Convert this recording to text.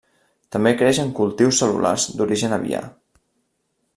També creix en cultius cel·lulars d’origen aviar.